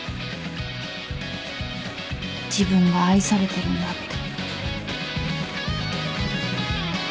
自分が愛されてるんだって。